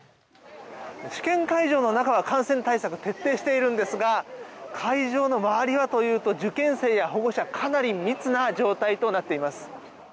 試験会場の中は感染対策、徹底しているんですが会場の周りはというと受験生や保護者かなり密な状態となっています。